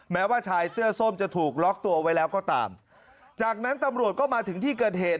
แม้ว่าชายเสื้อส้มจะถูกล็อกตัวไว้แล้วก็ตามจากนั้นตำรวจก็มาถึงที่เกิดเหตุ